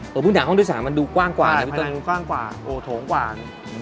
สวินทางห้องด้วยสารมันดูกว้างกว่าอะพี่เติ้ลผ่านด้านดูกว้างกว่าโถงกว่าน